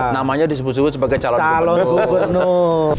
namanya disebut sebut sebagai calon gubernur